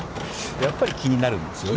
やっぱり気になるんですよね。